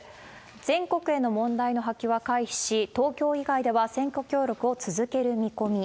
全国への問題の波及は回避し、東京以外では選挙協力を続ける見込み。